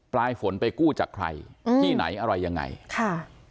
ปลายฝนไปกู้จากใครอืมที่ไหนอะไรยังไงค่ะ